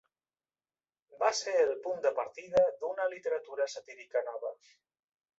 Va ser el punt de partida d'una literatura satírica nova.